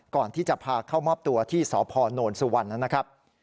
ก่อนที่จะพาเข้ามอบตัวที่สพนสุวรรณนะครับ